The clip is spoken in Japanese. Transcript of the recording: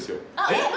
えっ？